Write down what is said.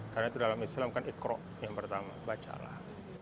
karena itu dalam islam kan ikhro yang pertama bacalah